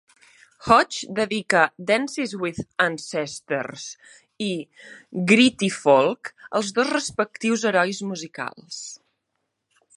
Hodge dedica "Dances with ancestres" i "Gritty Folk" als dos respectius herois musicals.